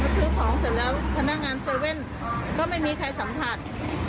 ซื้อของเสร็จแล้วพนักงาน๗๑๑ก็ไม่มีใครสัมผัส